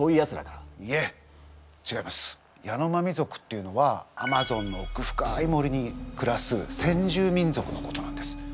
ヤノマミ族っていうのはアマゾンのおく深い森に暮らす先住民族のことなんです。